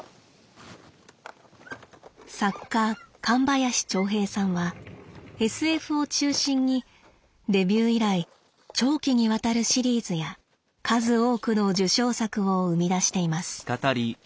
作家神林長平さんはＳＦを中心にデビュー以来長期にわたるシリーズや数多くの受賞作を生み出しています。